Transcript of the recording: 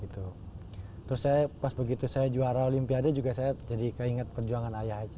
terus saya pas begitu saya juara olimpiade juga saya jadi keinget perjuangan ayah aja